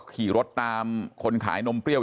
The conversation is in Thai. ขี่รถตามคนขายนมเปรี้ยว